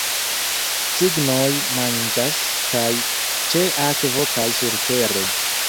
Cignoj manĝas kaj ĉe akvo kaj surtere.